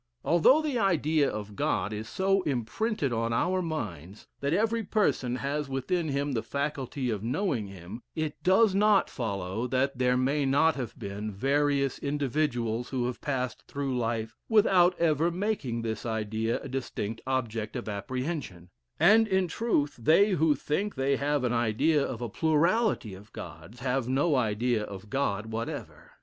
Although the idea of God is so imprinted on our minds, that every person has within him the faculty of knowing him, it does not follow that there may not have been various individuals who have passed through life without ever making this idea a distinct object of apprehension; and, in truth, they who think they have an idea of a plurality of Gods, have no idea of God whatever."